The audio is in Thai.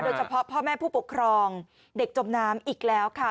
โดยเฉพาะพ่อแม่ผู้ปกครองเด็กจบน้ำอีกแล้วค่ะ